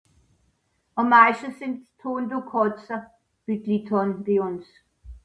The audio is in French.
hund un kàtze